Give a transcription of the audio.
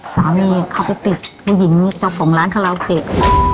สามีเขาไปติดผู้หญิงเจ้าของร้านคาราโอเกะ